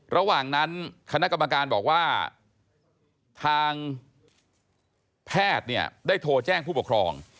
ระหว่างนั้นคณะกรรมการบอกว่าทางแพทย์เนี่ยได้โทรแจ้งผู้ปกครอง